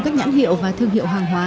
các nhãn hiệu và thương hiệu hàng hóa